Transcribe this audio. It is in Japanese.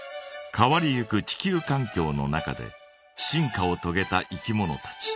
変わりゆく地球かん境の中で進化をとげたいきものたち。